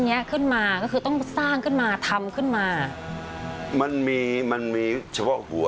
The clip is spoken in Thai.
เนี้ยขึ้นมาก็คือต้องสร้างขึ้นมาทำขึ้นมามันมีมันมีเฉพาะหัว